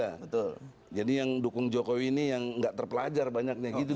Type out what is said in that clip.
iya betul jadi yang dukung jokowi ini yang nggak terpelajar banyaknya gitu